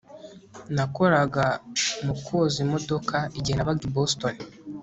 Nakoraga mu koza imodoka igihe nabaga i Boston